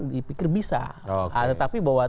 dipikir bisa tetapi bahwa